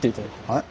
はい。